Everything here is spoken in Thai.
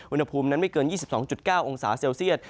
อุณหภูมินั้นไม่เกิน๒๒๙องศาเซลเซียต